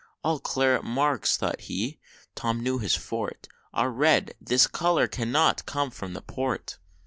"All claret marks," thought he Tom knew his forte "Are red this color CANNOT come from Port!"